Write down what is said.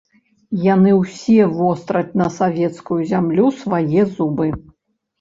Яны ўсе востраць на савецкую зямлю свае зубы.